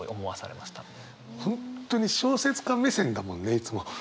本当に小説家目線だもんねいつも。